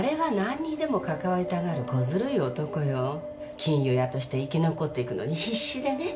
金融屋として生き残っていくのに必死でね。